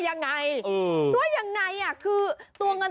เฮ้ยเฮ้ยเฮ้ยเฮ้ยเฮ้ย